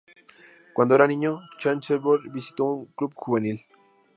Cuando era niño, Chancellor visitó un club juvenil.